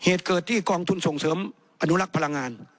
เหตุเกิดที่กองทุนส่งเสริมอนุรักษ์พลังงาน